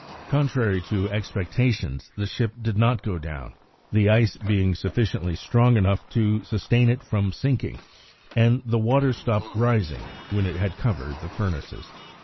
Contrary to expectations, the ship did not go down, the ice being sufficiently strong to sustain it from sinking, and the water stopped rising when it had covered the furnaces.